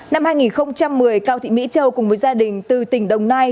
năm hai nghìn một mươi cao thị mỹ châu cùng với gia đình từ tỉnh đồng nai